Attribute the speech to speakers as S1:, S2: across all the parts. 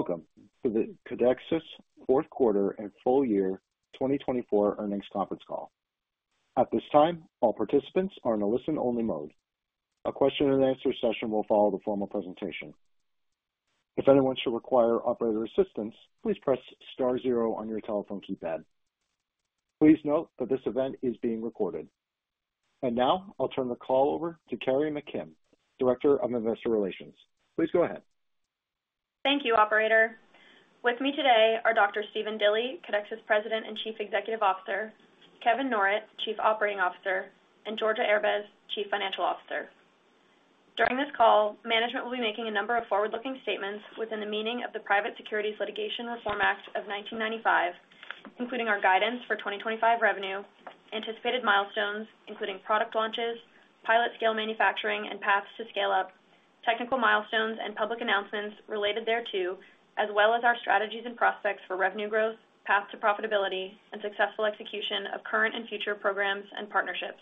S1: Welcome to the Codexis Fourth Quarter and Full Year 2024 Earnings Conference Call. At this time, all participants are in a listen-only mode. A question-and-answer session will follow the formal presentation. If anyone should require operator assistance, please press star zero on your telephone keypad. Please note that this event is being recorded. Now, I'll turn the call over to Carrie McKim, Director of Investor Relations. Please go ahead.
S2: Thank you, Operator. With me today are Dr. Stephen Dilly, Codexis President and Chief Executive Officer; Kevin Norrett, Chief Operating Officer; and Georgia Erbez, Chief Financial Officer. During this call, management will be making a number of forward-looking statements within the meaning of the Private Securities Litigation Reform Act of 1995, including our guidance for 2025 revenue, anticipated milestones including product launches, pilot-scale manufacturing and paths to scale-up, technical milestones and public announcements related thereto, as well as our strategies and prospects for revenue growth, path to profitability, and successful execution of current and future programs and partnerships.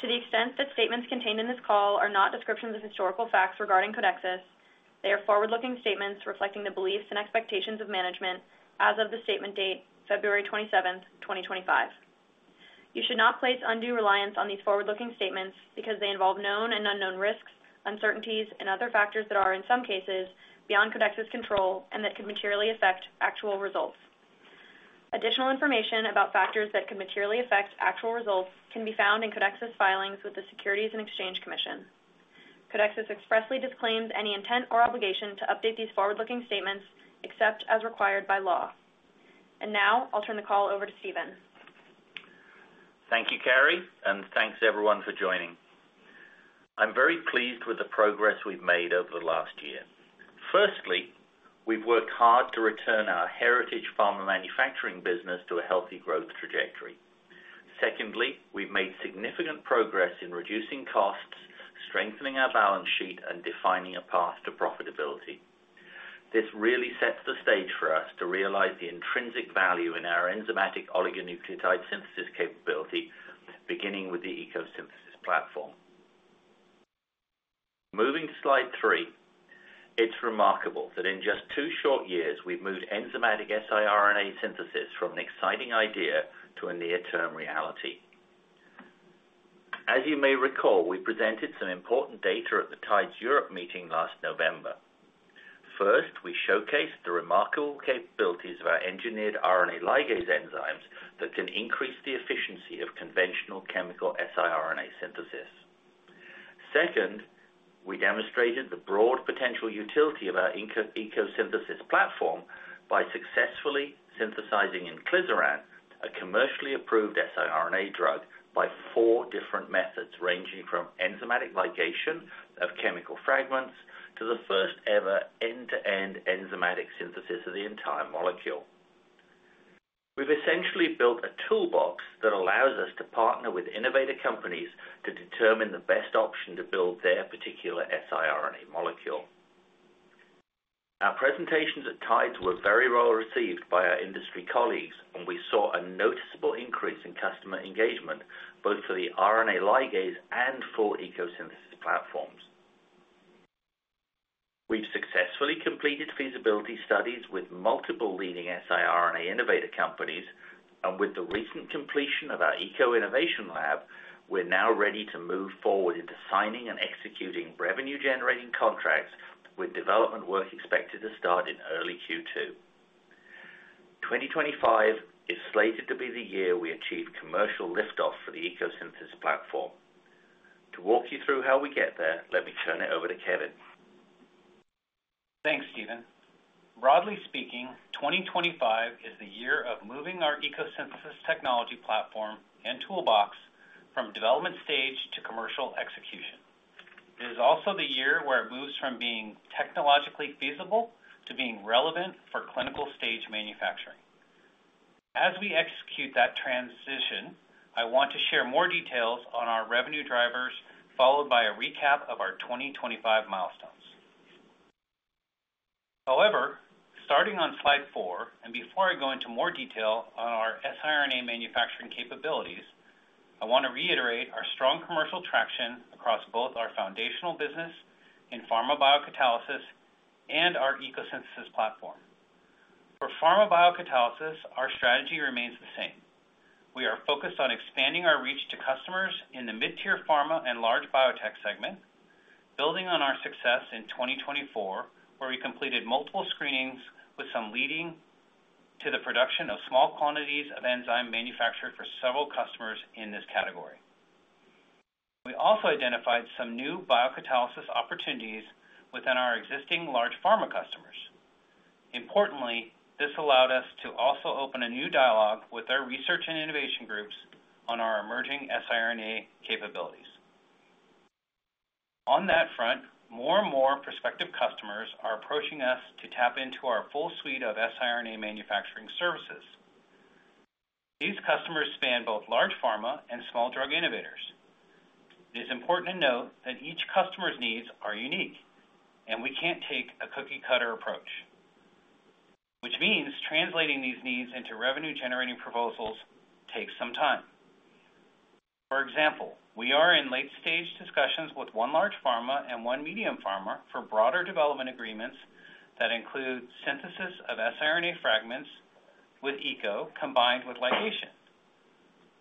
S2: To the extent that statements contained in this call are not descriptions of historical facts regarding Codexis, they are forward-looking statements reflecting the beliefs and expectations of management as of the statement date, February 27, 2025. You should not place undue reliance on these forward-looking statements because they involve known and unknown risks, uncertainties, and other factors that are, in some cases, beyond Codexis control and that could materially affect actual results. Additional information about factors that could materially affect actual results can be found in Codexis filings with the Securities and Exchange Commission. Codexis expressly disclaims any intent or obligation to update these forward-looking statements except as required by law. Now, I'll turn the call over to Stephen.
S3: Thank you, Carrie, and thanks everyone for joining. I'm very pleased with the progress we've made over the last year. Firstly, we've worked hard to return our heritage pharma manufacturing business to a healthy growth trajectory. Secondly, we've made significant progress in reducing costs, strengthening our balance sheet, and defining a path to profitability. This really sets the stage for us to realize the intrinsic value in our enzymatic oligonucleotide synthesis capability, beginning with the ECO Synthesis platform. Moving to slide three, it's remarkable that in just two short years, we've moved enzymatic siRNA synthesis from an exciting idea to a near-term reality. As you may recall, we presented some important data at the TIDES Europe meeting last November. First, we showcased the remarkable capabilities of our engineered RNA ligase enzymes that can increase the efficiency of conventional chemical siRNA synthesis. Second, we demonstrated the broad potential utility of our ECO Synthesis platform by successfully synthesizing Inclisiran, a commercially approved siRNA drug, by four different methods ranging from enzymatic ligation of chemical fragments to the first-ever end-to-end enzymatic synthesis of the entire molecule. We've essentially built a toolbox that allows us to partner with innovator companies to determine the best option to build their particular siRNA molecule. Our presentations at TIDES were very well received by our industry colleagues, and we saw a noticeable increase in customer engagement both for the RNA ligase and full ECO Synthesis platforms. We've successfully completed feasibility studies with multiple leading siRNA innovator companies, and with the recent completion of our ECO Innovation Lab, we're now ready to move forward into signing and executing revenue-generating contracts with development work expected to start in early Q2. 2025 is slated to be the year we achieve commercial lift-off for the ECO Synthesis platform. To walk you through how we get there, let me turn it over to Kevin.
S4: Thanks, Stephen. Broadly speaking, 2025 is the year of moving our ECO Synthesis technology platform and toolbox from development stage to commercial execution. It is also the year where it moves from being technologically feasible to being relevant for clinical stage manufacturing. As we execute that transition, I want to share more details on our revenue drivers, followed by a recap of our 2025 milestones. However, starting on slide four, and before I go into more detail on our siRNA manufacturing capabilities, I want to reiterate our strong commercial traction across both our foundational business in Pharma Biocatalysis and our ECO Synthesis platform. For Pharma Biocatalysis, our strategy remains the same. We are focused on expanding our reach to customers in the mid-tier pharma and large biotech segment, building on our success in 2024, where we completed multiple screenings with some leading to the production of small quantities of enzyme manufactured for several customers in this category. We also identified some new biocatalysis opportunities within our existing large pharma customers. Importantly, this allowed us to also open a new dialogue with our research and innovation groups on our emerging siRNA capabilities. On that front, more and more prospective customers are approaching us to tap into our full suite of siRNA manufacturing services. These customers span both large pharma and small drug innovators. It is important to note that each customer's needs are unique, and we can't take a cookie-cutter approach, which means translating these needs into revenue-generating proposals takes some time. For example, we are in late-stage discussions with one large pharma and one medium pharma for broader development agreements that include synthesis of siRNA fragments with ECO combined with ligation.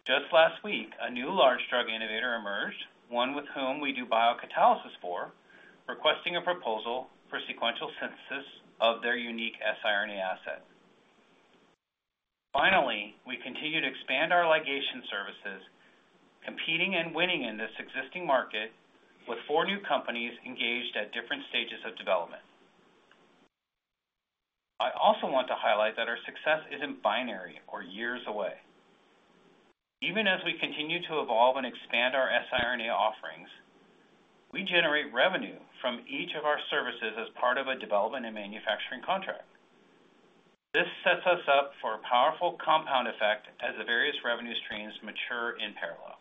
S4: Just last week, a new large drug innovator emerged, one with whom we do biocatalysis for, requesting a proposal for sequential synthesis of their unique siRNA asset. Finally, we continue to expand our ligation services, competing and winning in this existing market with four new companies engaged at different stages of development. I also want to highlight that our success isn't binary or years away. Even as we continue to evolve and expand our siRNA offerings, we generate revenue from each of our services as part of a development and manufacturing contract. This sets us up for a powerful compound effect as the various revenue streams mature in parallel.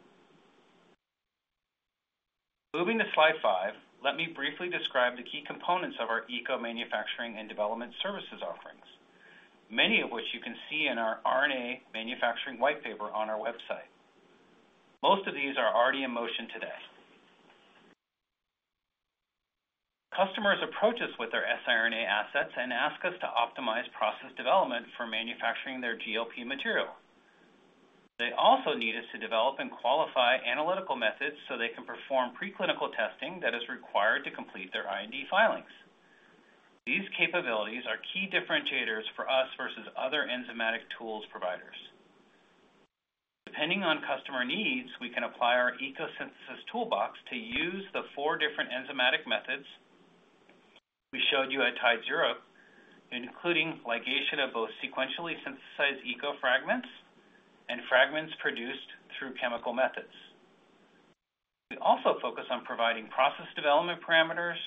S4: Moving to slide five, let me briefly describe the key components of our ECO manufacturing and development services offerings, many of which you can see in our RNA manufacturing white paper on our website. Most of these are already in motion today. Customers approach us with their siRNA assets and ask us to optimize process development for manufacturing their GLP material. They also need us to develop and qualify analytical methods so they can perform preclinical testing that is required to complete their IND filings. These capabilities are key differentiators for us versus other enzymatic tools providers. Depending on customer needs, we can apply our ECO Synthesis toolbox to use the four different enzymatic methods we showed you at TIDES Europe, including ligation of both sequentially synthesized ECO fragments and fragments produced through chemical methods. We also focus on providing process development parameters,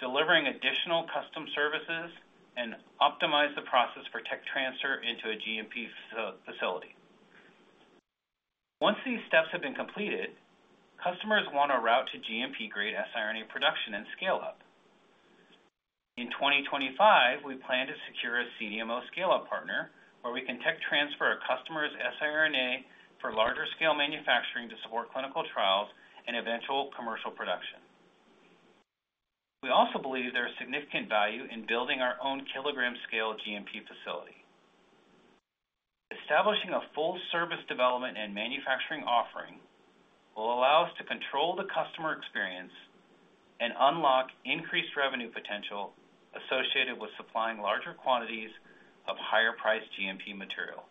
S4: delivering additional custom services, and optimizing the process for tech transfer into a GMP facility. Once these steps have been completed, customers want a route to GMP-grade siRNA production and scale-up. In 2025, we plan to secure a CDMO scale-up partner where we can tech transfer a customer's siRNA for larger-scale manufacturing to support clinical trials and eventual commercial production. We also believe there is significant value in building our own kilogram-scale GMP facility. Establishing a full service development and manufacturing offering will allow us to control the customer experience and unlock increased revenue potential associated with supplying larger quantities of higher-priced GMP material.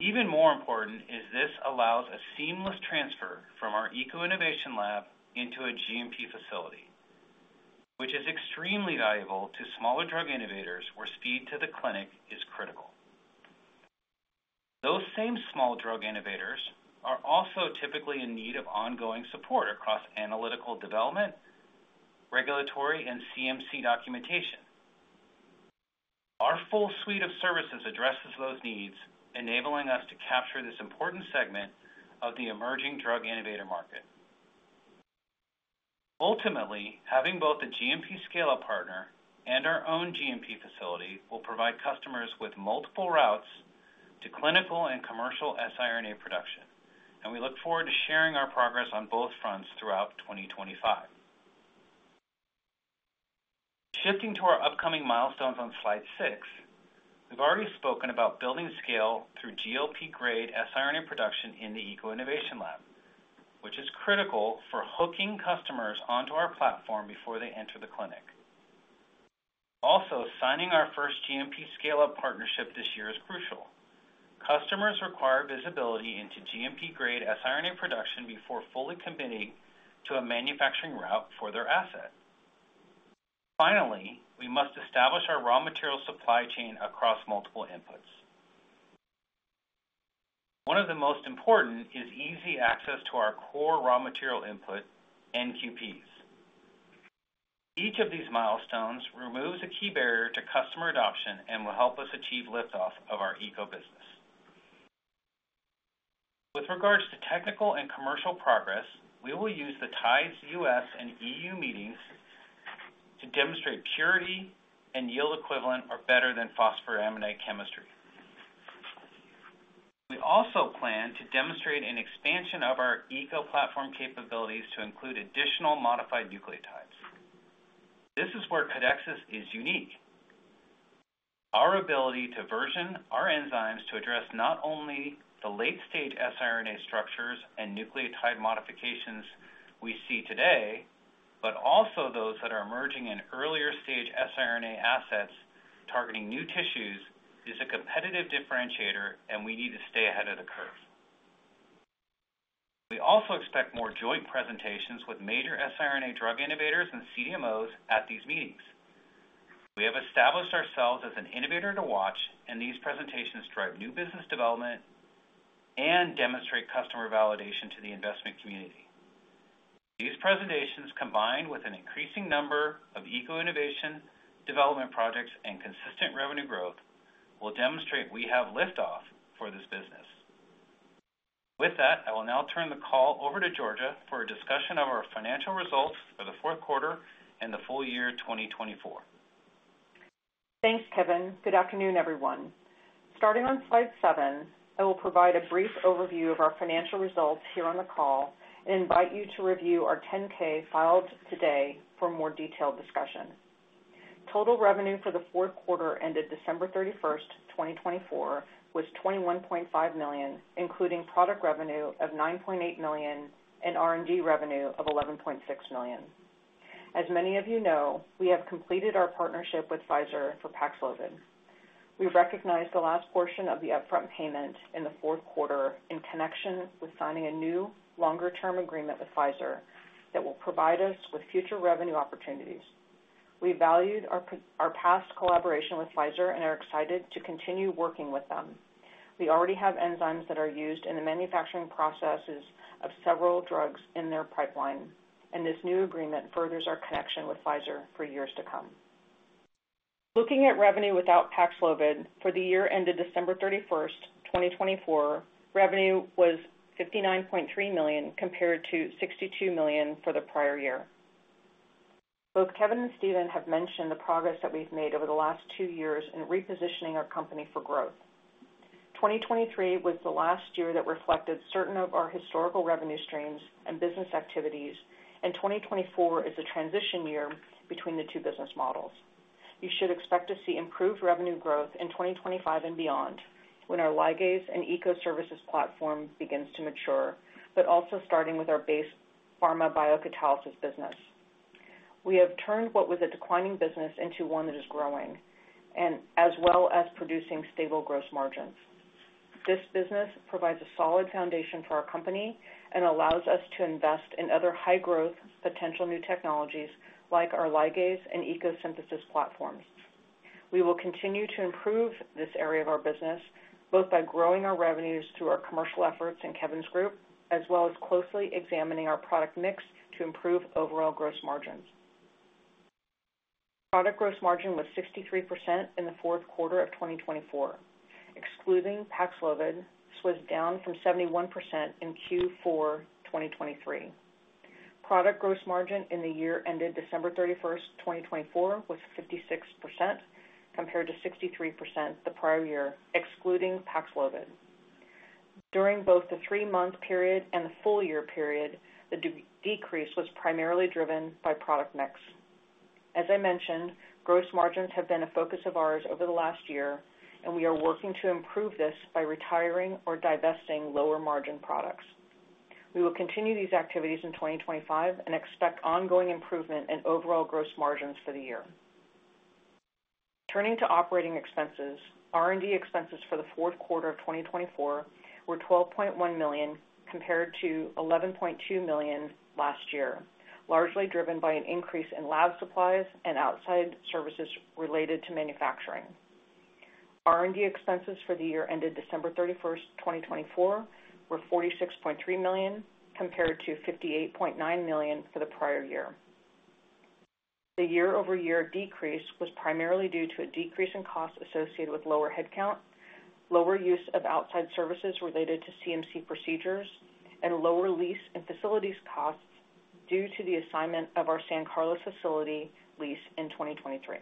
S4: Even more important is this allows a seamless transfer from our ECO Synthesis lab into a GMP facility, which is extremely valuable to smaller drug innovators where speed to the clinic is critical. Those same small drug innovators are also typically in need of ongoing support across analytical development, regulatory, and CMC documentation. Our full suite of services addresses those needs, enabling us to capture this important segment of the emerging drug innovator market. Ultimately, having both a GMP scale-up partner and our own GMP facility will provide customers with multiple routes to clinical and commercial siRNA production, and we look forward to sharing our progress on both fronts throughout 2025. Shifting to our upcoming milestones on slide six, we've already spoken about building scale through GLP-grade siRNA production in the ECO Innovation Lab, which is critical for hooking customers onto our platform before they enter the clinic. Also, signing our first GMP scale-up partnership this year is crucial. Customers require visibility into GMP-grade siRNA production before fully committing to a manufacturing route for their asset. Finally, we must establish our raw material supply chain across multiple inputs. One of the most important is easy access to our core raw material input, NQPs. Each of these milestones removes a key barrier to customer adoption and will help us achieve lift-off of our ECO business. With regards to technical and commercial progress, we will use the TIDES U.S and EU meetings to demonstrate purity and yield equivalent or better than phosphoramidite chemistry. We also plan to demonstrate an expansion of our ECO platform capabilities to include additional modified nucleotides. This is where Codexis is unique. Our ability to version our enzymes to address not only the late-stage siRNA structures and nucleotide modifications we see today, but also those that are emerging in earlier-stage siRNA assets targeting new tissues is a competitive differentiator, and we need to stay ahead of the curve. We also expect more joint presentations with major siRNA drug innovators and CDMOs at these meetings. We have established ourselves as an innovator to watch, and these presentations drive new business development and demonstrate customer validation to the investment community. These presentations, combined with an increasing number of ECO Innovation development projects and consistent revenue growth, will demonstrate we have lift-off for this business. With that, I will now turn the call over to Georgia for a discussion of our financial results for the fourth quarter and the full year 2024.
S5: Thanks, Kevin. Good afternoon, everyone. Starting on slide seven, I will provide a brief overview of our financial results here on the call and invite you to review our 10-K filed today for a more detailed discussion. Total revenue for the fourth quarter ended December 31, 2024, was $21.5 million, including product revenue of $9.8 million and R&D revenue of $11.6 million. As many of you know, we have completed our partnership with Pfizer for Paxlovid. We recognize the last portion of the upfront payment in the fourth quarter in connection with signing a new longer-term agreement with Pfizer that will provide us with future revenue opportunities. We valued our past collaboration with Pfizer and are excited to continue working with them. We already have enzymes that are used in the manufacturing processes of several drugs in their pipeline, and this new agreement furthers our connection with Pfizer for years to come. Looking at revenue without Paxlovid for the year ended December 31, 2024, revenue was $59.3 million compared to $62 million for the prior year. Both Kevin and Stephen have mentioned the progress that we've made over the last two years in repositioning our company for growth. 2023 was the last year that reflected certain of our historical revenue streams and business activities, and 2024 is a transition year between the two business models. You should expect to see improved revenue growth in 2025 and beyond when our ligase and ECO services platform begins to mature, but also starting with our base Pharma Biocatalysis business. We have turned what was a declining business into one that is growing and as well as producing stable gross margins. This business provides a solid foundation for our company and allows us to invest in other high-growth potential new technologies like our ligase and ECO Synthesis platforms. We will continue to improve this area of our business both by growing our revenues through our commercial efforts in Kevin's group, as well as closely examining our product mix to improve overall gross margins. Product gross margin was 63% in the fourth quarter of 2024. Excluding Paxlovid, it was down from 71% in Q4 2023. Product gross margin in the year ended December 31, 2024, was 56% compared to 63% the prior year, excluding Paxlovid. During both the three-month period and the full-year period, the decrease was primarily driven by product mix. As I mentioned, gross margins have been a focus of ours over the last year, and we are working to improve this by retiring or divesting lower-margin products. We will continue these activities in 2025 and expect ongoing improvement in overall gross margins for the year. Turning to operating expenses, R&D expenses for the fourth quarter of 2024 were $12.1 million compared to $11.2 million last year, largely driven by an increase in lab supplies and outside services related to manufacturing. R&D expenses for the year ended December 31, 2024, were $46.3 million compared to $58.9 million for the prior year. The year-over-year decrease was primarily due to a decrease in costs associated with lower headcount, lower use of outside services related to CMC procedures, and lower lease and facilities costs due to the assignment of our San Carlos facility lease in 2023.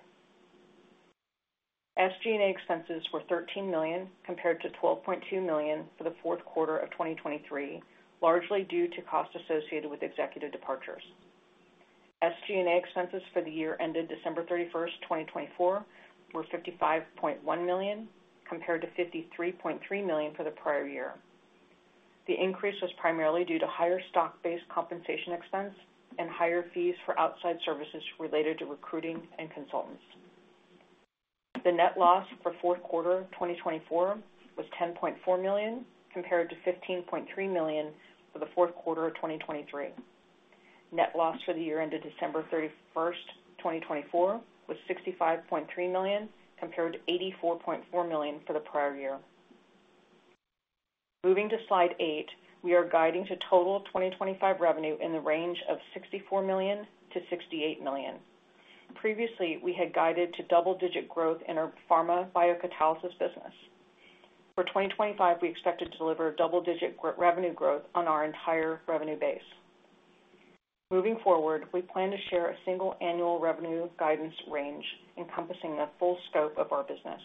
S5: SG&A expenses were $13 million compared to $12.2 million for the fourth quarter of 2023, largely due to costs associated with executive departures. SG&A expenses for the year ended December 31, 2024, were $55.1 million compared to $53.3 million for the prior year. The increase was primarily due to higher stock-based compensation expense and higher fees for outside services related to recruiting and consultants. The net loss for fourth quarter 2024 was $10.4 million compared to $15.3 million for the fourth quarter of 2023. Net loss for the year ended December 31, 2024, was $65.3 million compared to $84.4 million for the prior year. Moving to slide eight, we are guiding to total 2025 revenue in the range of $64 million-$68 million. Previously, we had guided to double-digit growth in our Pharma Biocatalysis business. For 2025, we expected to deliver double-digit revenue growth on our entire revenue base. Moving forward, we plan to share a single annual revenue guidance range encompassing the full scope of our business.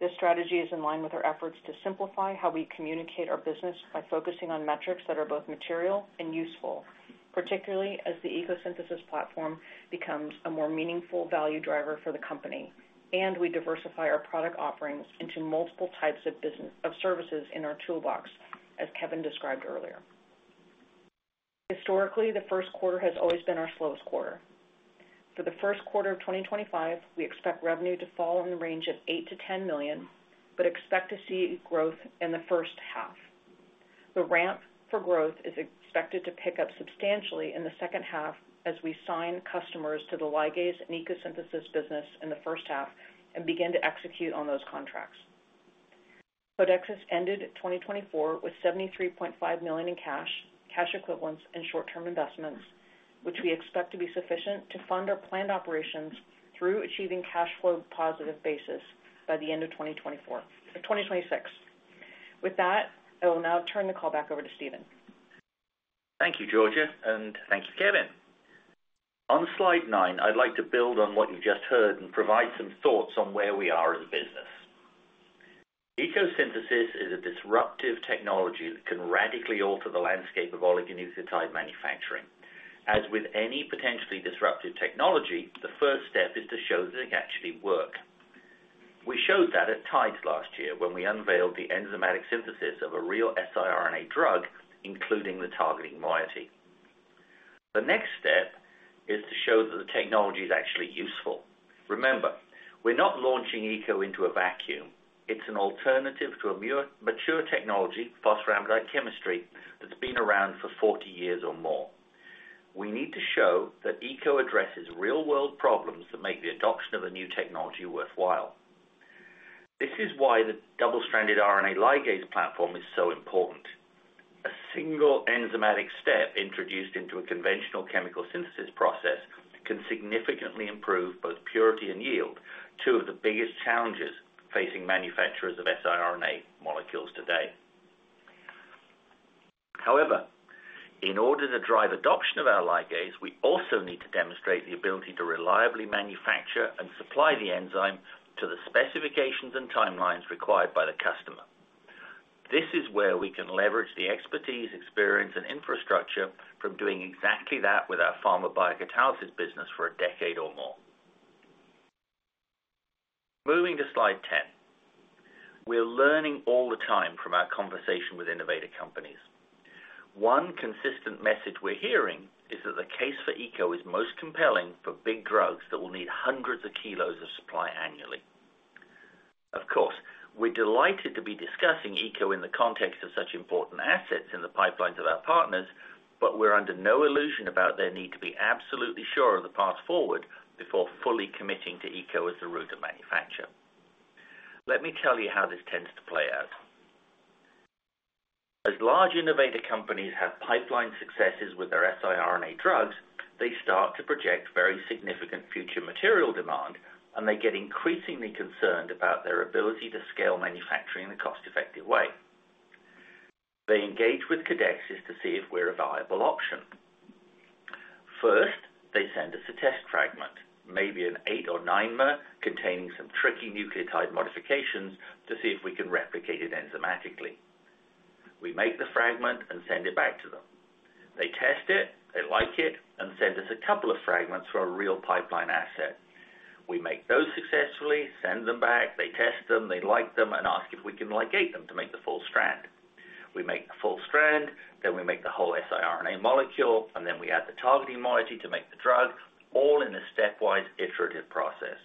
S5: This strategy is in line with our efforts to simplify how we communicate our business by focusing on metrics that are both material and useful, particularly as the ECO Synthesis platform becomes a more meaningful value driver for the company, and we diversify our product offerings into multiple types of services in our toolbox, as Kevin described earlier. Historically, the first quarter has always been our slowest quarter. For the first quarter of 2025, we expect revenue to fall in the range of $8 million-$10 million, but expect to see growth in the first half. The ramp for growth is expected to pick up substantially in the second half as we sign customers to the ligase and ECO Synthesis business in the first half and begin to execute on those contracts. Codexis ended 2024 with $73.5 million in cash, cash equivalents, and short-term investments, which we expect to be sufficient to fund our planned operations through achieving cash flow positive basis by the end of 2026. With that, I will now turn the call back over to Stephen.
S3: Thank you, Georgia, and thank you, Kevin. On slide nine, I'd like to build on what you've just heard and provide some thoughts on where we are as a business. ECO Synthesis is a disruptive technology that can radically alter the landscape of oligonucleotide manufacturing. As with any potentially disruptive technology, the first step is to show that it actually works. We showed that at TIDES last year when we unveiled the enzymatic synthesis of a real siRNA drug, including the targeting moiety. The next step is to show that the technology is actually useful. Remember, we're not launching ECO into a vacuum. It's an alternative to a mature technology, phosphoramidite chemistry, that's been around for 40 years or more. We need to show that ECO addresses real-world problems that make the adoption of a new technology worthwhile. This is why the double-stranded RNA ligase platform is so important. A single enzymatic step introduced into a conventional chemical synthesis process can significantly improve both purity and yield, two of the biggest challenges facing manufacturers of siRNA molecules today. However, in order to drive adoption of our ligase, we also need to demonstrate the ability to reliably manufacture and supply the enzyme to the specifications and timelines required by the customer. This is where we can leverage the expertise, experience, and infrastructure from doing exactly that with our Pharma Biocatalysis business for a decade or more. Moving to slide 10, we're learning all the time from our conversation with innovator companies. One consistent message we're hearing is that the case for ECO is most compelling for big drugs that will need hundreds of kilos of supply annually. Of course, we're delighted to be discussing ECO in the context of such important assets in the pipelines of our partners, but we're under no illusion about their need to be absolutely sure of the path forward before fully committing to ECO as the route of manufacture. Let me tell you how this tends to play out. As large innovator companies have pipeline successes with their siRNA drugs, they start to project very significant future material demand, and they get increasingly concerned about their ability to scale manufacturing in a cost-effective way. They engage with Codexis to see if we're a viable option. First, they send us a test fragment, maybe an eight or nine-mer containing some tricky nucleotide modifications to see if we can replicate it enzymatically. We make the fragment and send it back to them. They test it, they like it, and send us a couple of fragments for a real pipeline asset. We make those successfully, send them back, they test them, they like them, and ask if we can ligate them to make the full strand. We make the full strand, then we make the whole siRNA molecule, and then we add the targeting moiety to make the drug, all in a stepwise iterative process.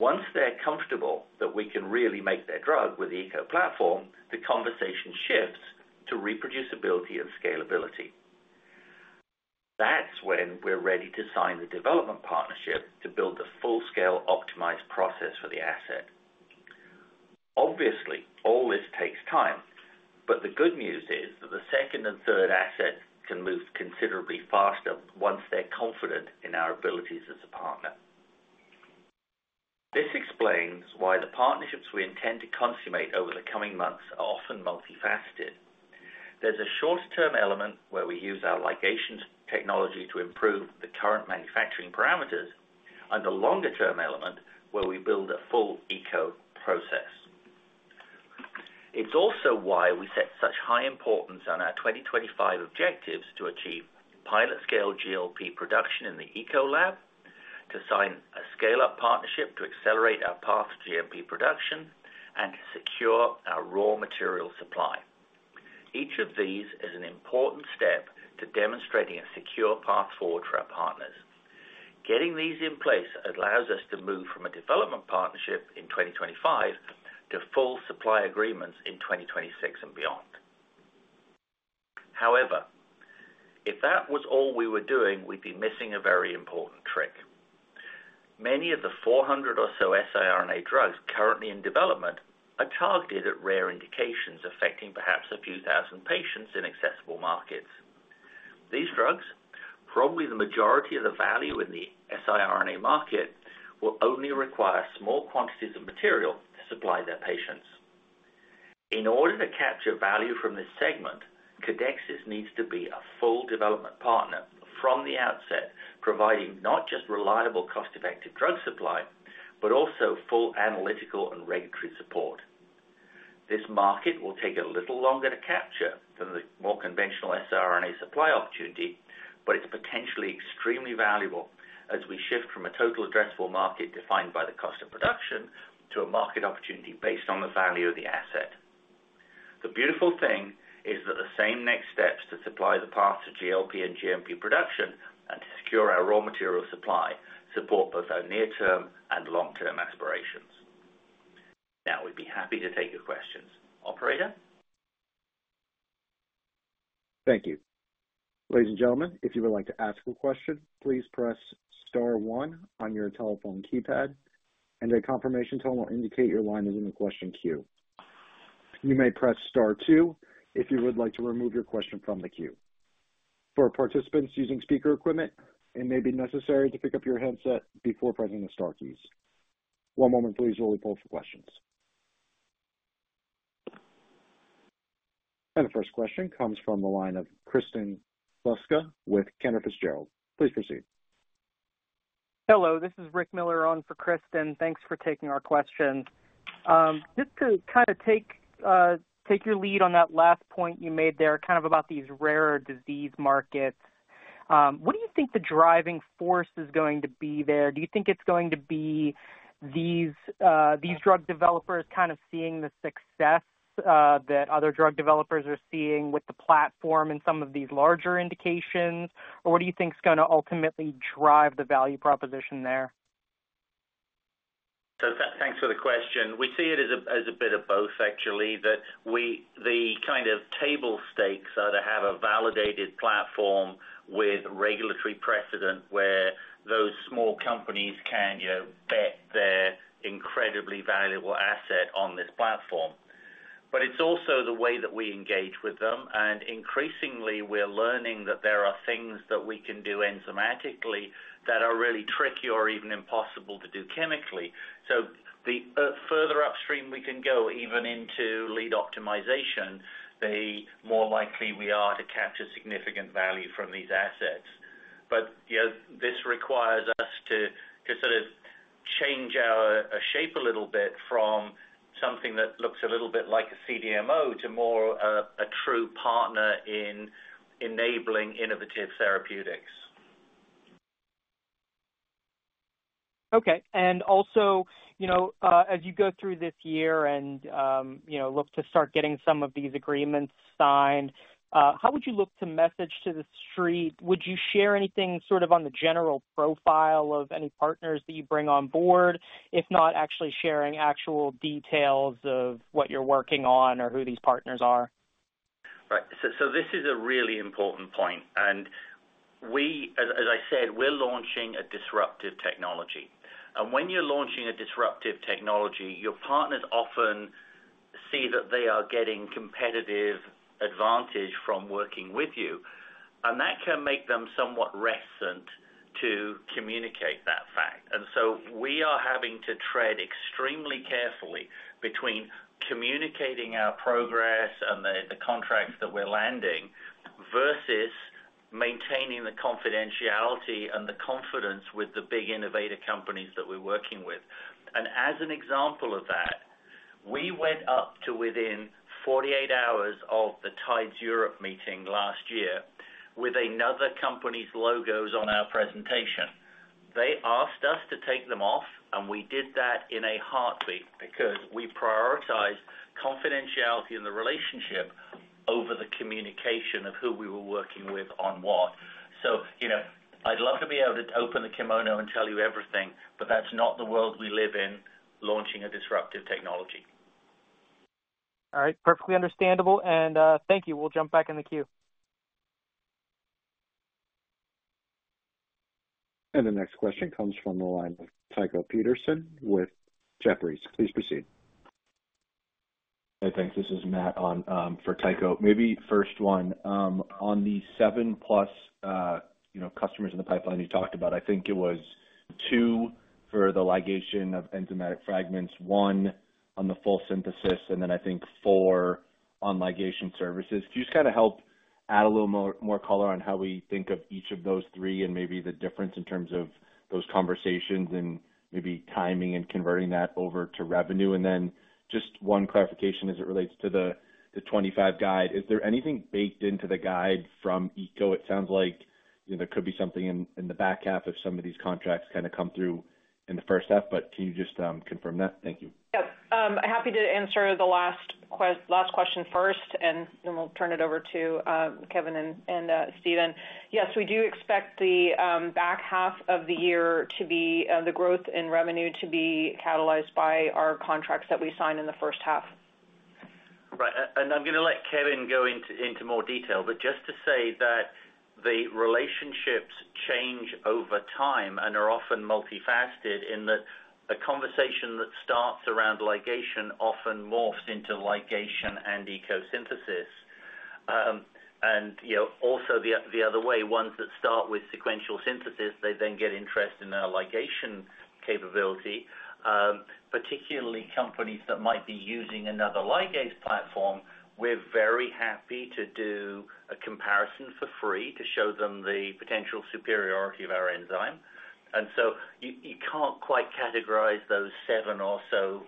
S3: Once they're comfortable that we can really make their drug with the ECO platform, the conversation shifts to reproducibility and scalability. That's when we're ready to sign the development partnership to build the full-scale optimized process for the asset. Obviously, all this takes time, but the good news is that the second and third assets can move considerably faster once they're confident in our abilities as a partner. This explains why the partnerships we intend to consummate over the coming months are often multifaceted. There's a short-term element where we use our ligation technology to improve the current manufacturing parameters and a longer-term element where we build a full ECO process. It's also why we set such high importance on our 2025 objectives to achieve pilot-scale GLP production in the ECO lab, to sign a scale-up partnership to accelerate our past GLP production, and to secure our raw material supply. Each of these is an important step to demonstrating a secure path forward for our partners. Getting these in place allows us to move from a development partnership in 2025 to full supply agreements in 2026 and beyond. However, if that was all we were doing, we'd be missing a very important trick. Many of the 400 or so siRNA drugs currently in development are targeted at rare indications affecting perhaps a few thousand patients in accessible markets. These drugs, probably the majority of the value in the siRNA market, will only require small quantities of material to supply their patients. In order to capture value from this segment, Codexis needs to be a full development partner from the outset, providing not just reliable cost-effective drug supply, but also full analytical and regulatory support. This market will take a little longer to capture than the more conventional siRNA supply opportunity, but it's potentially extremely valuable as we shift from a total addressable market defined by the cost of production to a market opportunity based on the value of the asset. The beautiful thing is that the same next steps to supply the parts of GLP and GMP production and to secure our raw material supply support both our near-term and long-term aspirations. Now, we'd be happy to take your questions, operator?
S1: Thank you. Ladies and gentlemen, if you would like to ask a question, please press star one on your telephone keypad, and a confirmation tone will indicate your line is in the question queue. You may press star two if you would like to remove your question from the queue. For participants using speaker equipment, it may be necessary to pick up your headset before pressing the star keys. One moment, please, while we pull up the questions. The first question comes from the line of Kristen Kluska with Cantor Fitzgerald. Please proceed.
S6: Hello, this is Rick Miller on for Kristen. Thanks for taking our questions. Just to kind of take your lead on that last point you made there, kind of about these rare disease markets, what do you think the driving force is going to be there? Do you think it's going to be these drug developers kind of seeing the success that other drug developers are seeing with the platform in some of these larger indications, or what do you think's going to ultimately drive the value proposition there?
S3: Thanks for the question. We see it as a bit of both, actually, that the kind of table stakes are to have a validated platform with regulatory precedent where those small companies can bet their incredibly valuable asset on this platform. It is also the way that we engage with them, and increasingly, we're learning that there are things that we can do enzymatically that are really tricky or even impossible to do chemically. The further upstream we can go, even into lead optimization, the more likely we are to capture significant value from these assets. This requires us to sort of change our shape a little bit from something that looks a little bit like a CDMO to more a true partner in enabling innovative therapeutics.
S6: Okay. Also, as you go through this year and look to start getting some of these agreements signed, how would you look to message to The Street? Would you share anything sort of on the general profile of any partners that you bring on board, if not actually sharing actual details of what you're working on or who these partners are?
S3: Right. This is a really important point. As I said, we're launching a disruptive technology. When you're launching a disruptive technology, your partners often see that they are getting competitive advantage from working with you, and that can make them somewhat reticent to communicate that fact. We are having to tread extremely carefully between communicating our progress and the contracts that we're landing versus maintaining the confidentiality and the confidence with the big innovator companies that we're working with. As an example of that, we went up to within 48 hours of the TIDES Europe meeting last year with another company's logos on our presentation. They asked us to take them off, and we did that in a heartbeat because we prioritized confidentiality in the relationship over the communication of who we were working with on what. I'd love to be able to open the kimono and tell you everything, but that's not the world we live in launching a disruptive technology.
S6: All right. Perfectly understandable. Thank you. We'll jump back in the queue.
S1: The next question comes from the line of Tycho Peterson with Jefferies. Please proceed.
S7: Hey, thanks. This is Matt on for Tycho. Maybe first one. On the seven-plus customers in the pipeline you talked about, I think it was two for the ligation of enzymatic fragments, one on the full synthesis, and then I think four on ligation services. Can you just kind of help add a little more color on how we think of each of those three and maybe the difference in terms of those conversations and maybe timing and converting that over to revenue? And then just one clarification as it relates to the 2025 guide. Is there anything baked into the guide from ECO? It sounds like there could be something in the back half if some of these contracts kind of come through in the first half, but can you just confirm that? Thank you.
S5: Yep. Happy to answer the last question first, and then we'll turn it over to Kevin and Stephen. Yes, we do expect the back half of the year to be the growth in revenue to be catalyzed by our contracts that we sign in the first half.
S3: Right. I'm going to let Kevin go into more detail, but just to say that the relationships change over time and are often multifaceted in that a conversation that starts around ligation often morphs into ligation and ECO synthesis. Also, the other way, ones that start with sequential synthesis, they then get interested in our ligation capability, particularly companies that might be using another ligase platform. We're very happy to do a comparison for free to show them the potential superiority of our enzyme. You can't quite categorize those seven or so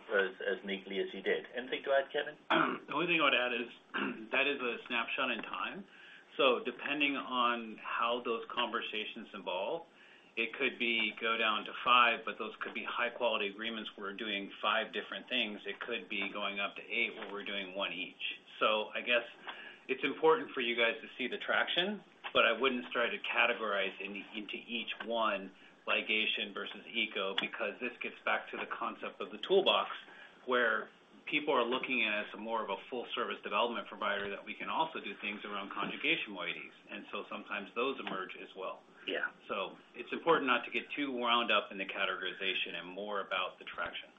S3: as neatly as you did. Anything to add, Kevin?
S4: The only thing I would add is that is a snapshot in time. Depending on how those conversations evolve, it could go down to five, but those could be high-quality agreements where we're doing five different things. It could be going up to eight where we're doing one each. I guess it's important for you guys to see the traction, but I wouldn't try to categorize into each one ligation versus ECO because this gets back to the concept of the toolbox where people are looking at us more as a full-service development provider that we can also do things around conjugation moieties. Sometimes those emerge as well. It's important not to get too wound up in the categorization and more about the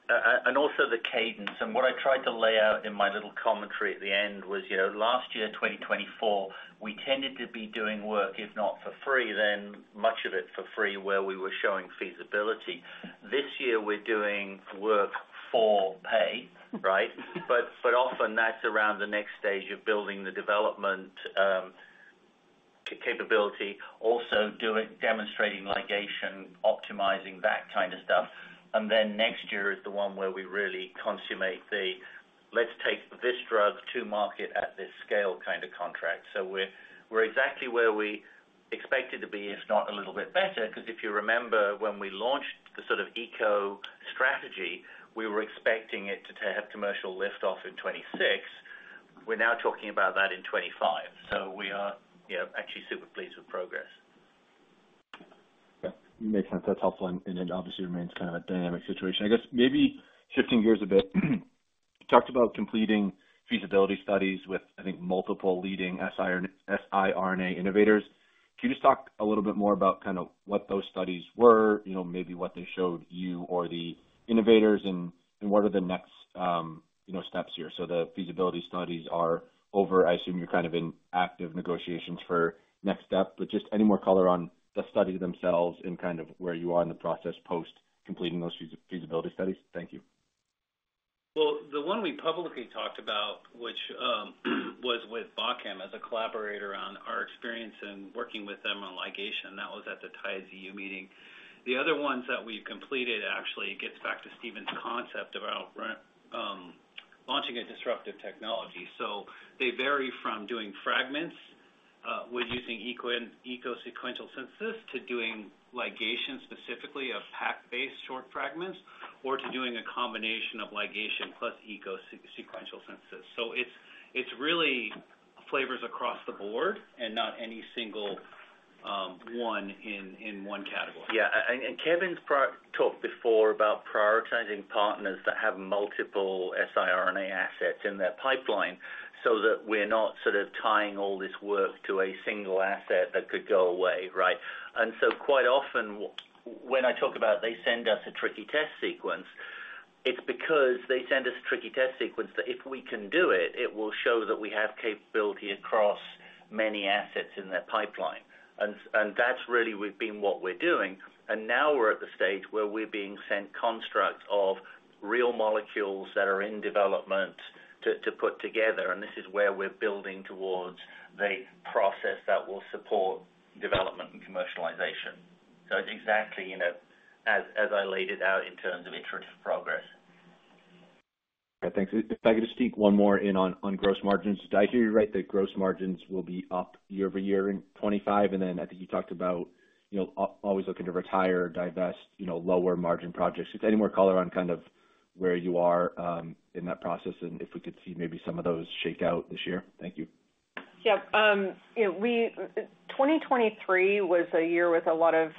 S4: traction.
S3: Also the cadence. What I tried to lay out in my little commentary at the end was last year, 2024, we tended to be doing work, if not for free, then much of it for free where we were showing feasibility. This year, we're doing work for pay, right? Often that's around the next stage of building the development capability, also demonstrating ligation, optimizing that kind of stuff. Next year is the one where we really consummate the, "Let's take this drug to market at this scale" kind of contract. We are exactly where we expected to be, if not a little bit better, because if you remember when we launched the sort of ECO strategy, we were expecting it to have commercial lift-off in 2026. We're now talking about that in 2025. We are actually super pleased with progress.
S7: Yeah. Makes sense. That's helpful. It obviously remains kind of a dynamic situation. I guess maybe shifting gears a bit, you talked about completing feasibility studies with, I think, multiple leading siRNA innovators. Can you just talk a little bit more about kind of what those studies were, maybe what they showed you or the innovators, and what are the next steps here? The feasibility studies are over. I assume you're kind of in active negotiations for next step, but just any more color on the studies themselves and kind of where you are in the process post completing those feasibility studies? Thank you.
S4: The one we publicly talked about, which was with Bachem as a collaborator on our experience in working with them on ligation, that was at the TIDES Europe meeting. The other ones that we've completed actually gets back to Stephen's concept about launching a disruptive technology. They vary from doing fragments using ECO-sequential synthesis to doing ligation specifically of PAC-based short fragments or to doing a combination of ligation plus ECO-sequential synthesis. It's really flavors across the board and not any single one in one category.
S3: Yeah. Kevin's talked before about prioritizing partners that have multiple siRNA assets in their pipeline so that we're not sort of tying all this work to a single asset that could go away, right? Quite often, when I talk about they send us a tricky test sequence, it's because they send us a tricky test sequence that if we can do it, it will show that we have capability across many assets in their pipeline. That's really been what we're doing. Now we're at the stage where we're being sent constructs of real molecules that are in development to put together. This is where we're building towards the process that will support development and commercialization. It's exactly as I laid it out in terms of iterative progress.
S7: Okay. Thanks. If I could just sneak one more in on gross margins. Did I hear you right that gross margins will be up year-over-year in 2025? I think you talked about always looking to retire, divest, lower margin projects. Any more color on kind of where you are in that process and if we could see maybe some of those shake out this year? Thank you.
S5: Yep. 2023 was a year with a lot of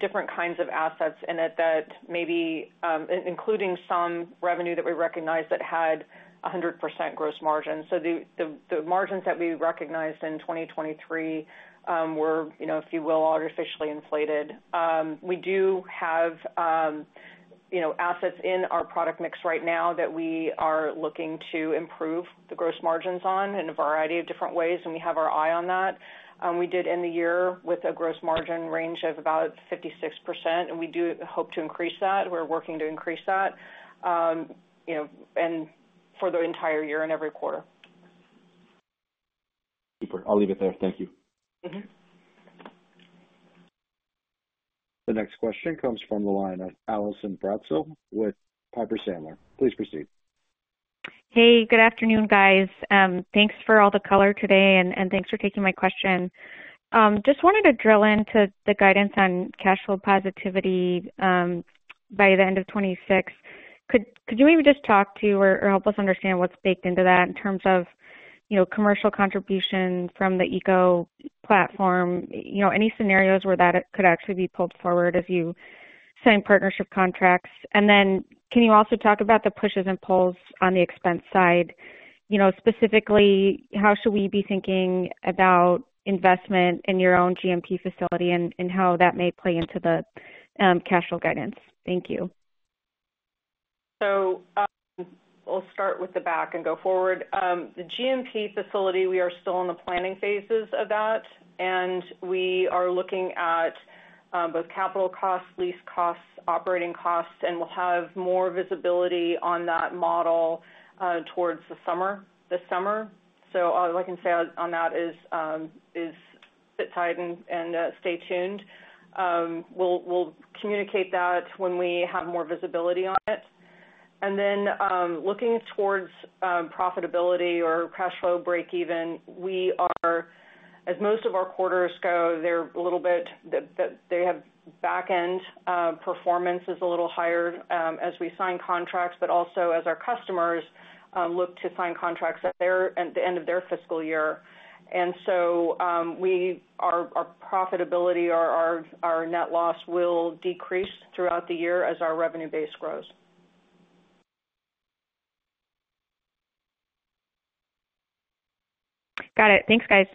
S5: different kinds of assets in it that maybe including some revenue that we recognized that had 100% gross margin. So the margins that we recognized in 2023 were, if you will, artificially inflated. We do have assets in our product mix right now that we are looking to improve the gross margins on in a variety of different ways, and we have our eye on that. We did end the year with a gross margin range of about 56%, and we do hope to increase that. We're working to increase that for the entire year and every quarter.
S7: Super. I'll leave it there. Thank you.
S1: The next question comes from the line of Allison Bratzel with Piper Sandler. Please proceed.
S8: Hey, good afternoon, guys. Thanks for all the color today, and thanks for taking my question. Just wanted to drill into the guidance on cash flow positivity by the end of 2026. Could you maybe just talk to or help us understand what's baked into that in terms of commercial contribution from the ECO platform? Any scenarios where that could actually be pulled forward as you sign partnership contracts? Could you also talk about the pushes and pulls on the expense side? Specifically, how should we be thinking about investment in your own GMP facility and how that may play into the cash flow guidance? Thank you.
S5: I'll start with the back and go forward. The GMP facility, we are still in the planning phases of that, and we are looking at both capital costs, lease costs, operating costs, and we'll have more visibility on that model towards the summer. All I can say on that is sit tight and stay tuned. We'll communicate that when we have more visibility on it. Looking towards profitability or cash flow break-even, we are, as most of our quarters go, they're a little bit, they have back-end performance is a little higher as we sign contracts, but also as our customers look to sign contracts at the end of their fiscal year. Our profitability or our net loss will decrease throughout the year as our revenue base grows.
S8: Got it. Thanks, guys.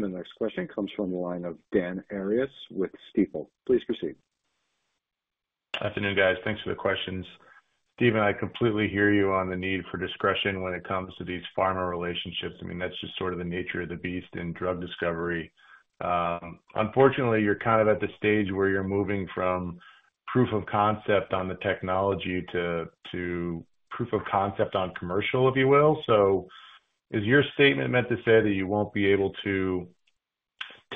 S1: The next question comes from the line of Dan Arias with Stifel. Please proceed.
S9: Good afternoon, guys. Thanks for the questions. Stephen, I completely hear you on the need for discretion when it comes to these pharma relationships. I mean, that's just sort of the nature of the beast in drug discovery. Unfortunately, you're kind of at the stage where you're moving from proof of concept on the technology to proof of concept on commercial, if you will. Is your statement meant to say that you won't be able to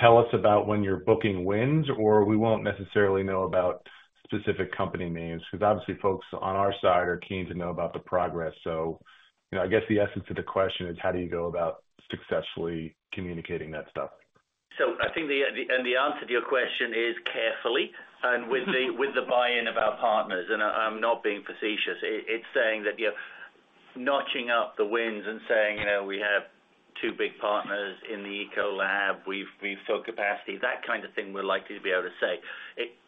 S9: tell us about when your booking wins, or we won't necessarily know about specific company names? Obviously, folks on our side are keen to know about the progress. I guess the essence of the question is, how do you go about successfully communicating that stuff?
S3: I think the answer to your question is carefully and with the buy-in of our partners. I'm not being facetious. It's saying that notching up the wins and saying, "We have two big partners in the ECO lab. We've sold capacity," that kind of thing we're likely to be able to say.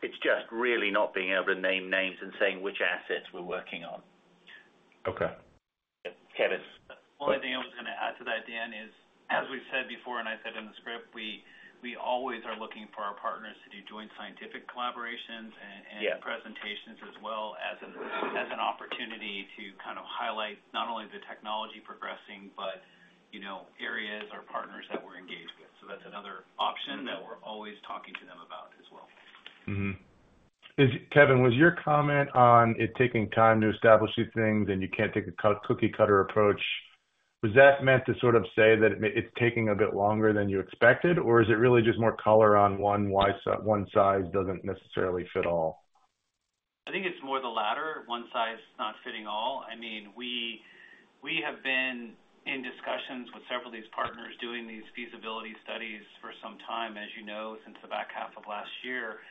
S3: It's just really not being able to name names and saying which assets we're working on.
S9: Okay.
S3: Kevin.
S4: One thing I was going to add to that, Dan, is as we've said before, and I said in the script, we always are looking for our partners to do joint scientific collaborations and presentations as well as an opportunity to kind of highlight not only the technology progressing, but areas or partners that we're engaged with. That is another option that we're always talking to them about as well.
S9: Kevin, was your comment on it taking time to establish these things and you can't take a cookie-cutter approach, was that meant to sort of say that it's taking a bit longer than you expected, or is it really just more color on one size doesn't necessarily fit all?
S4: I think it's more the latter. One size not fitting all. I mean, we have been in discussions with several of these partners doing these feasibility studies for some time, as you know, since the back half of last year.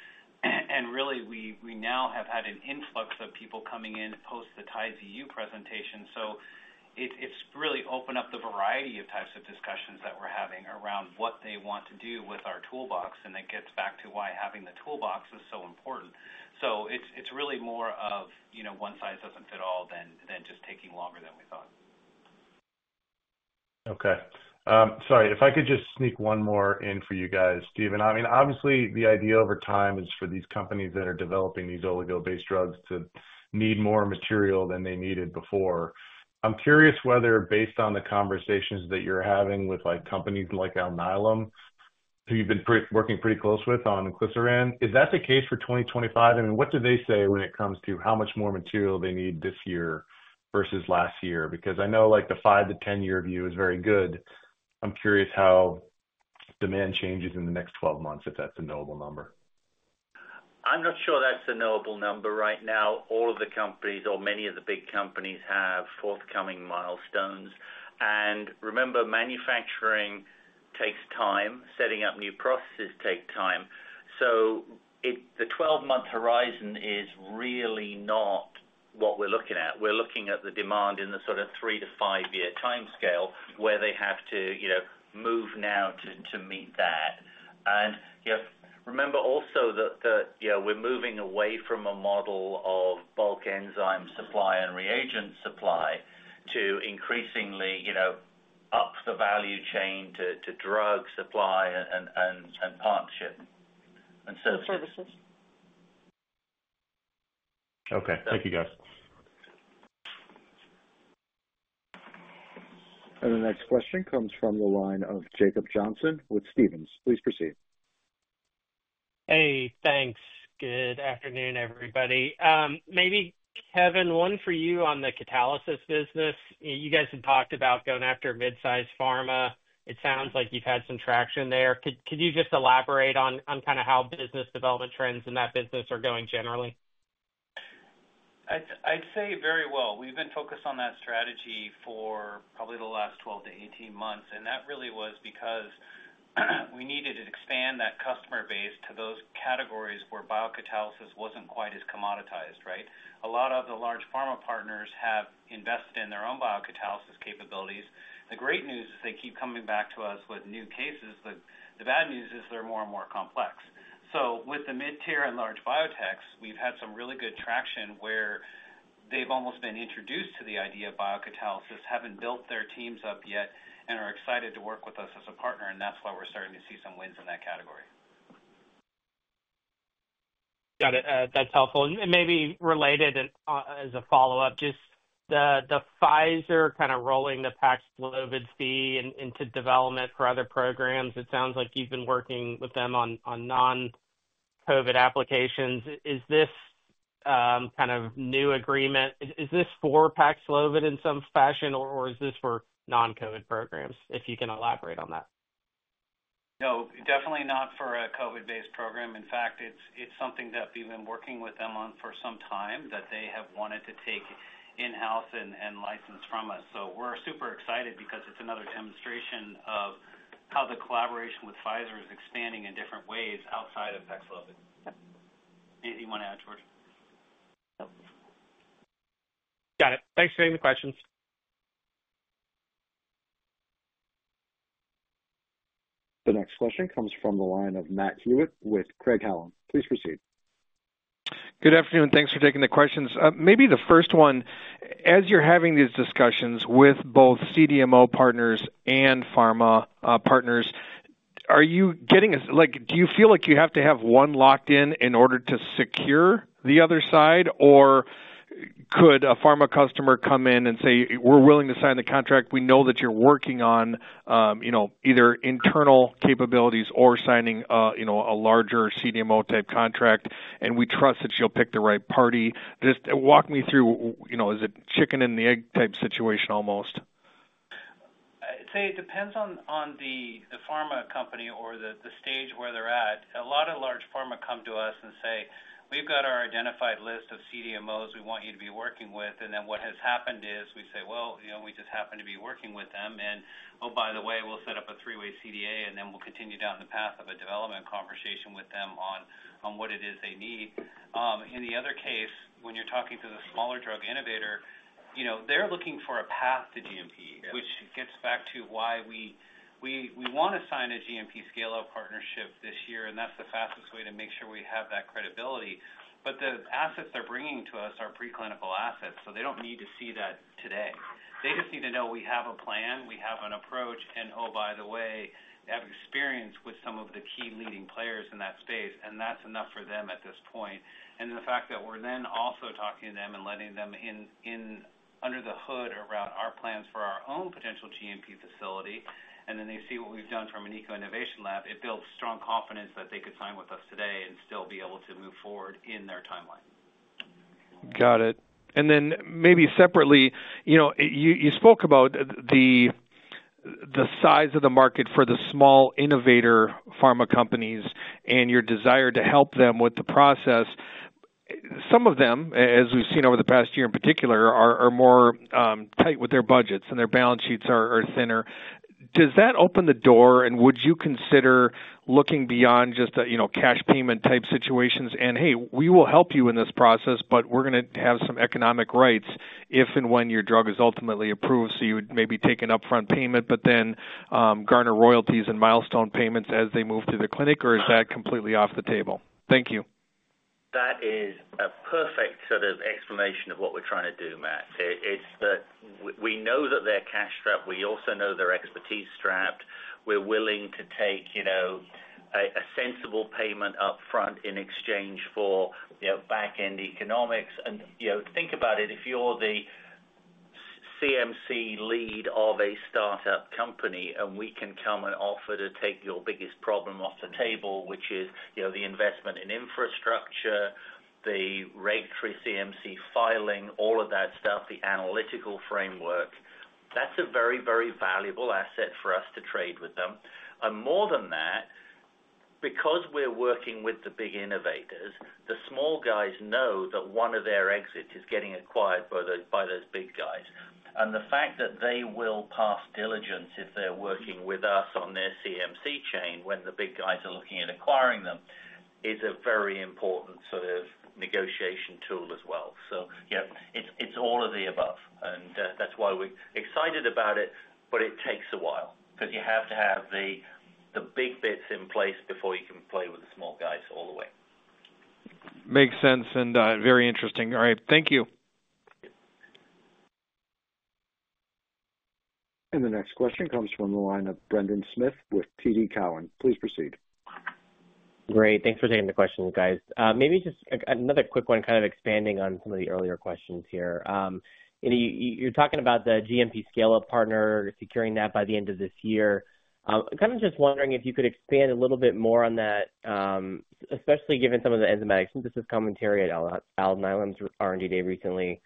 S4: Really, we now have had an influx of people coming in post the TIDES Europe presentation. It has really opened up the variety of types of discussions that we're having around what they want to do with our toolbox. It gets back to why having the toolbox is so important. It is really more of one size doesn't fit all than just taking longer than we thought.
S9: Okay. Sorry. If I could just sneak one more in for you guys, Stephen. I mean, obviously, the idea over time is for these companies that are developing these oligo-based drugs to need more material than they needed before. I'm curious whether, based on the conversations that you're having with companies like Alnylam, who you've been working pretty close with on Inclisiran, is that the case for 2025? I mean, what do they say when it comes to how much more material they need this year versus last year? Because I know the 5- to 10-year view is very good. I'm curious how demand changes in the next 12 months if that's a knowable number.
S3: I'm not sure that's a knowable number right now. All of the companies or many of the big companies have forthcoming milestones. Remember, manufacturing takes time. Setting up new processes takes time. The 12-month horizon is really not what we're looking at. We're looking at the demand in the sort of three to five-year time scale where they have to move now to meet that. Remember also that we're moving away from a model of bulk enzyme supply and reagent supply to increasingly up the value chain to drug supply and partnership and services.
S9: Okay. Thank you, guys.
S1: The next question comes from the line of Jacob Johnson with Stephens. Please proceed.
S10: Hey, thanks. Good afternoon, everybody. Maybe, Kevin, one for you on the catalysis business. You guys have talked about going after midsize pharma. It sounds like you've had some traction there. Could you just elaborate on kind of how business development trends in that business are going generally?
S4: I'd say very well. We've been focused on that strategy for probably the last 12 to 18 months. That really was because we needed to expand that customer base to those categories where biocatalysis wasn't quite as commoditized, right? A lot of the large pharma partners have invested in their own biocatalysis capabilities. The great news is they keep coming back to us with new cases. The bad news is they're more and more complex. With the mid-tier and large biotechs, we've had some really good traction where they've almost been introduced to the idea of biocatalysis, haven't built their teams up yet, and are excited to work with us as a partner. That's why we're starting to see some wins in that category.
S10: Got it. That's helpful. Maybe related as a follow-up, just the Pfizer kind of rolling the Paxlovid fee into development for other programs. It sounds like you've been working with them on non-COVID applications. Is this kind of new agreement? Is this for Paxlovid in some fashion, or is this for non-COVID programs? If you can elaborate on that.
S4: No, definitely not for a COVID-based program. In fact, it's something that we've been working with them on for some time that they have wanted to take in-house and license from us. We're super excited because it's another demonstration of how the collaboration with Pfizer is expanding in different ways outside of Paxlovid. Anything you want to add, Georgia?
S10: Got it. Thanks for taking the questions.
S1: The next question comes from the line of Matt Hewitt with Craig-Hallum. Please proceed.
S11: Good afternoon. Thanks for taking the questions. Maybe the first one, as you're having these discussions with both CDMO partners and pharma partners, are you getting a, do you feel like you have to have one locked in in order to secure the other side, or could a pharma customer come in and say, "We're willing to sign the contract. We know that you're working on either internal capabilities or signing a larger CDMO-type contract, and we trust that you'll pick the right party"? Just walk me through. Is it chicken and the egg-type situation almost?
S4: I'd say it depends on the pharma company or the stage where they're at. A lot of large pharma come to us and say, "We've got our identified list of CDMOs we want you to be working with." What has happened is we say, "We just happen to be working with them." "Oh, by the way, we'll set up a three-way CDA, and then we'll continue down the path of a development conversation with them on what it is they need." In the other case, when you're talking to the smaller drug innovator, they're looking for a path to GMP, which gets back to why we want to sign a GMP scale-up partnership this year, and that's the fastest way to make sure we have that credibility. The assets they're bringing to us are preclinical assets, so they don't need to see that today. They just need to know we have a plan, we have an approach, and, "Oh, by the way, they have experience with some of the key leading players in that space," and that's enough for them at this point. The fact that we're then also talking to them and letting them in under the hood around our plans for our own potential GMP facility, and then they see what we've done from an ECO Innovation Lab, it builds strong confidence that they could sign with us today and still be able to move forward in their timeline.
S11: Got it. Maybe separately, you spoke about the size of the market for the small innovator pharma companies and your desire to help them with the process. Some of them, as we've seen over the past year in particular, are more tight with their budgets and their balance sheets are thinner. Does that open the door, and would you consider looking beyond just cash payment type situations and, "Hey, we will help you in this process, but we're going to have some economic rights if and when your drug is ultimately approved," so you would maybe take an upfront payment but then garner royalties and milestone payments as they move through the clinic, or is that completely off the table? Thank you.
S3: That is a perfect sort of explanation of what we're trying to do, Matt. It's that we know that they're cash-strapped. We also know they're expertise-strapped. We're willing to take a sensible payment upfront in exchange for back-end economics. Think about it. If you're the CMC lead of a startup company and we can come and offer to take your biggest problem off the table, which is the investment in infrastructure, the regulatory CMC filing, all of that stuff, the analytical framework, that's a very, very valuable asset for us to trade with them. More than that, because we're working with the big innovators, the small guys know that one of their exits is getting acquired by those big guys. The fact that they will pass diligence if they're working with us on their CMC chain when the big guys are looking at acquiring them is a very important sort of negotiation tool as well. It is all of the above. That is why we're excited about it, but it takes a while because you have to have the big bits in place before you can play with the small guys all the way.
S11: Makes sense and very interesting. All right. Thank you.
S1: The next question comes from the line of Brendan Smith with TD Cowen. Please proceed.
S12: Great. Thanks for taking the question, guys. Maybe just another quick one kind of expanding on some of the earlier questions here. You're talking about the GMP scale-up partner securing that by the end of this year. I'm kind of just wondering if you could expand a little bit more on that, especially given some of the enzymatic synthesis commentary at Alnylam's R&D Day recently.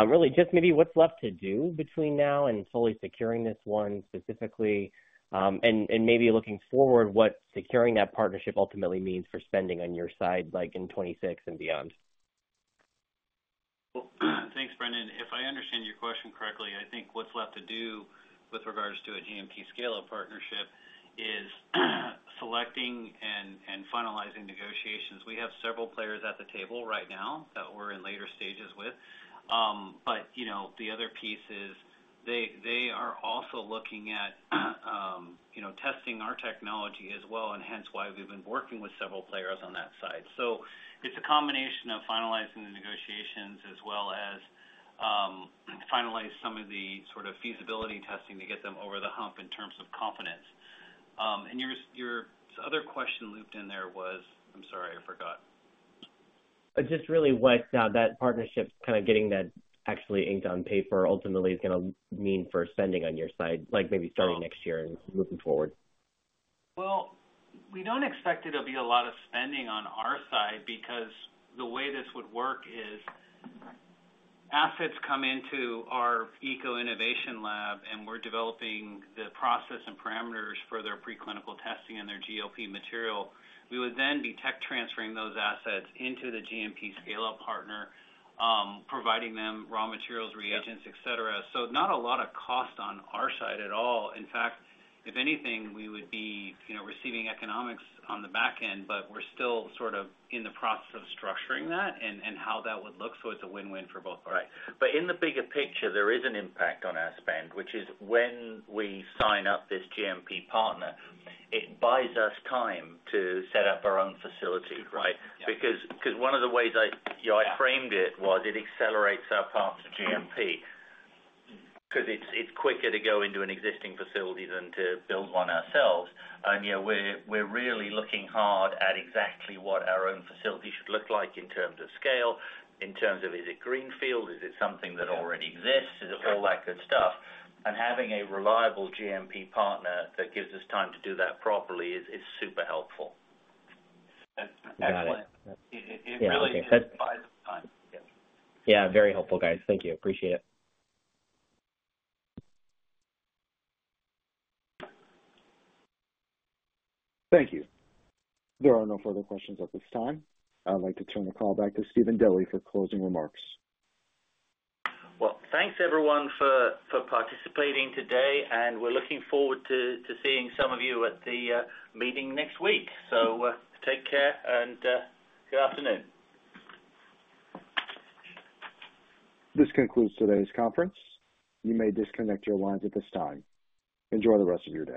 S12: Really, just maybe what's left to do between now and fully securing this one specifically, and maybe looking forward, what securing that partnership ultimately means for spending on your side in 2026 and beyond.
S4: Thanks, Brendan. If I understand your question correctly, I think what's left to do with regards to a GMP scale-up partnership is selecting and finalizing negotiations. We have several players at the table right now that we're in later stages with. The other piece is they are also looking at testing our technology as well, and hence why we've been working with several players on that side. It is a combination of finalizing the negotiations as well as finalizing some of the sort of feasibility testing to get them over the hump in terms of confidence. Your other question looped in there was I'm sorry, I forgot.
S12: Just really what that partnership kind of getting that actually inked on paper ultimately is going to mean for spending on your side, maybe starting next year and moving forward.
S4: We do not expect it to be a lot of spending on our side because the way this would work is assets come into our ECO Innovation Lab, and we are developing the process and parameters for their preclinical testing and their GLP material. We would then be tech transferring those assets into the GMP scale-up partner, providing them raw materials, reagents, etc. Not a lot of cost on our side at all. In fact, if anything, we would be receiving economics on the back end, but we are still sort of in the process of structuring that and how that would look. It is a win-win for both parties.
S3: Right. In the bigger picture, there is an impact on our spend, which is when we sign up this GMP partner, it buys us time to set up our own facility, right? One of the ways I framed it was it accelerates our path to GMP because it is quicker to go into an existing facility than to build one ourselves. We are really looking hard at exactly what our own facility should look like in terms of scale, in terms of is it greenfield, is it something that already exists, all that good stuff. Having a reliable GMP partner that gives us time to do that properly is super helpful.
S4: Excellent. It really buys us time.
S12: Yeah. Very helpful, guys. Thank you. Appreciate it.
S1: Thank you. There are no further questions at this time. I'd like to turn the call back to Stephen Dilly for closing remarks.
S3: Thanks, everyone, for participating today, and we're looking forward to seeing some of you at the meeting next week. Take care and good afternoon.
S1: This concludes today's conference. You may disconnect your lines at this time. Enjoy the rest of your day.